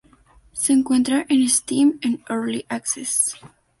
Se encuentra en Steam en early access.